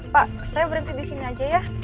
pak saya berhenti disini aja ya